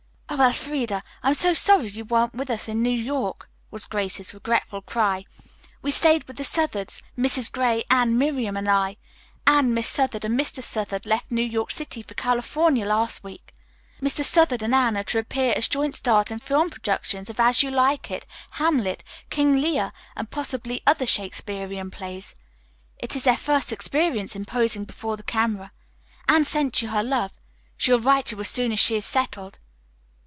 "Oh, Elfreda, I'm so sorry that you weren't with us in New York," was Grace's regretful cry. "We stayed with the Southards, Mrs. Gray, Anne, Miriam and I. Anne, Miss Southard and Mr. Southard left New York City for California last week. Mr. Southard and Anne are to appear as joint stars in film productions of 'As You Like It,' 'Hamlet,' 'King Lear' and possibly other Shakespearian plays. It is their first experience in posing before the camera. Anne sent you her love. She will write you as soon as she is settled."